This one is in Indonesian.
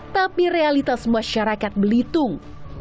tapi realitas masyarakat belitung